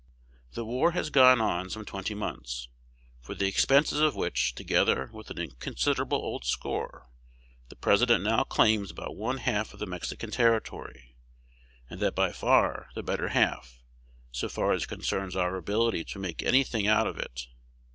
The war has gone on some twenty months; for the expenses of which, together with an inconsiderable old score, the President now claims about one half of the Mexican territory, and that by far the better half, so far as concerns our ability to make any thing out of it.